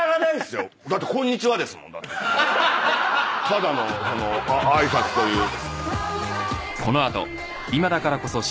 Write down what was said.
ただの挨拶という。